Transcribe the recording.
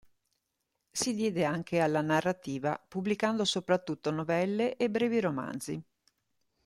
Si diede anche alla narrativa, pubblicando soprattutto novelle e brevi romanzi.